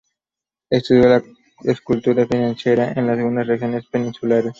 Estudió "La escultura funeraria", en algunas regiones peninsulares.